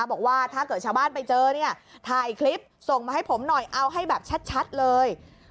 บอกว่าถ้าเกิดชาวบ้านไปเจอเนี่ยถ่ายคลิปส่งมาให้ผมหน่อยเอาให้แบบชัดเลย